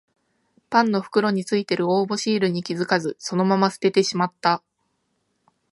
パンの袋についてる応募シールに気づかずそのまま捨ててしまった